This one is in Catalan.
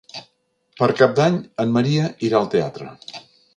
Per Cap d'Any en Maria irà al teatre.